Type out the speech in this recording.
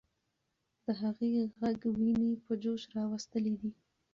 د هغې ږغ ويني په جوش راوستلې دي.